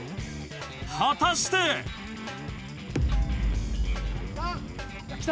果たして？来た。